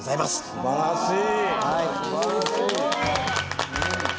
すばらしい！